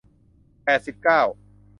แปดสิบเก้า